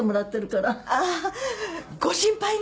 ああご心配なく。